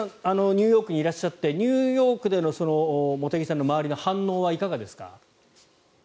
ニューヨークにいらっしゃってニューヨークでの茂木さんの周りの反応はいかがですか？